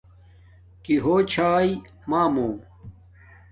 کݵ ہݸ چھݳئݵ مݳمݸ؟